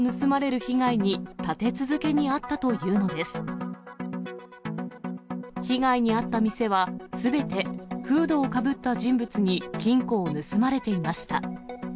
被害に遭った店は、すべて、フードをかぶった人物に金庫を盗まれていました。